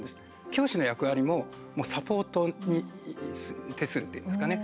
教師の役割もサポートに徹するっていうんですかね